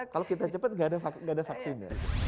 kalau kita cepat gak ada vaksin